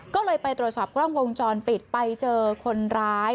ก็เลยไปตรวจสอบกล้องวงจรปิดไปเจอคนร้าย